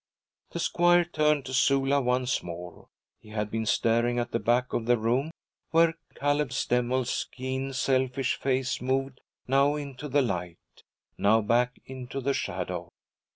The squire turned to Sula once more. He had been staring at the back of the room, where Cabel Stemmel's keen, selfish face moved now into the light, now back into the shadow.